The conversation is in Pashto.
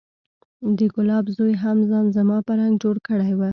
د ګلاب زوى هم ځان زما په رنګ جوړ کړى و.